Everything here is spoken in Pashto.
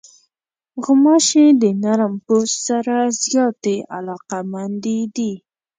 غوماشې د نرم پوست سره زیاتې علاقمندې دي.